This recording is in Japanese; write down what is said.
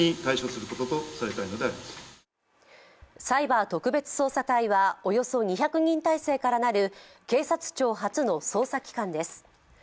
サイバー特別捜査隊はおよそ２００人態勢からなる警察庁初の捜査機関です。